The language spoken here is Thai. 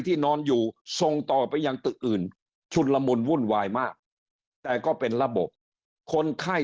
นอนอยู่ส่งต่อไปยังตึกอื่นชุนละมุนวุ่นวายมากแต่ก็เป็นระบบคนไข้